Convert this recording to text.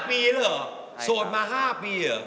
๕ปีหรอโสดมา๕ปีเหรอ